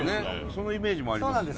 そのイメージもありますね。